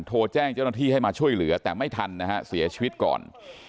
โทรแจ้งเจ้าหน้าที่ให้มาช่วยเหลือแต่ไม่ทันนะฮะเสียชีวิตก่อน